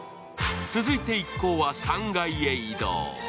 続いて一行は３階へ移動。